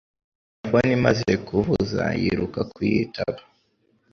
Terefone imaze kuvuza yiruka kuyitaba